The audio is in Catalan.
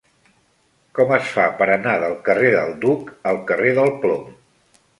Com es fa per anar del carrer del Duc al carrer del Plom?